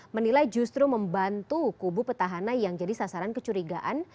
menilai justru membantu kubu petahana yang jadi sasaran kecurigaan